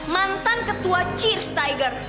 mantan ketua cheers tiger